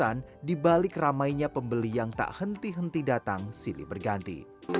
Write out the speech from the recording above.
dan dibalik ramainya pembeli yang tak henti henti datang silih berganti